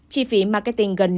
chi phí marketing gây xuất